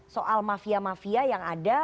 soal mafia mafia yang ada